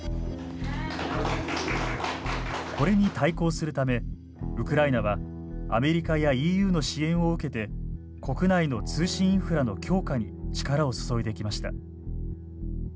これに対抗するためウクライナはアメリカやＥＵの支援を受けて国内の通信インフラの強化に力を注いできました。